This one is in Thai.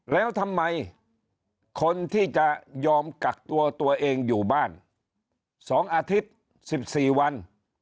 แล้วทำไมคนที่จะยอมกักตัวตัวเองอยู่บ้าน๒อาทิตย์๑๔วัน